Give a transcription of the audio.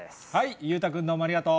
裕太君、どうもありがとう。